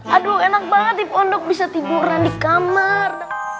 aduh enak banget di pondok bisa tiduran di kamar